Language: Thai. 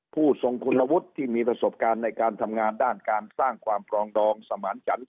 ผู้ทรงคุณวุฒิที่มีประสบการณ์ในการทำงานด้านการสร้างความปรองดองสมานจันทร์